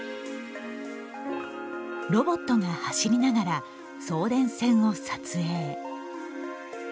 ロボットが走りながら送電線を撮影。